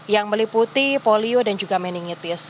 yang meliputi polio dan juga meningitis